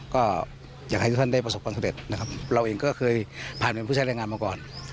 ก็อยากให้ทุกท่านได้ประสบความสำเร็จนะครับเราเองก็เคยผ่านเป็นผู้ใช้แรงงานมาก่อน